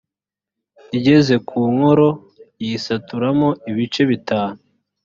igeze ku nkoro iyisaturamo ibice bitanu